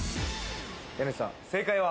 家主さん、正解は。